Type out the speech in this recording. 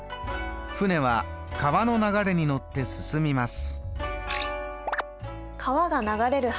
舟は川の流れに乗って進みます。